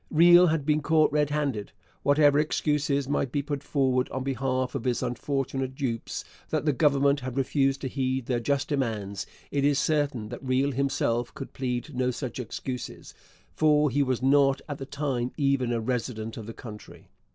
Riel had been caught red handed. Whatever excuses might be put forward, on behalf of his unfortunate dupes, that the Government had refused to heed their just demands, it is certain that Riel himself could plead no such excuses, for he was not at the time even a resident of the country.